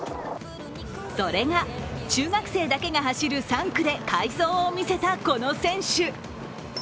それが、中学生だけが走る３区で快走を見せたこの選手。